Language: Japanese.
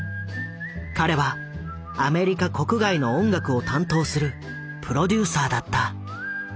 彼はアメリカ国外の音楽を担当するプロデューサーだった。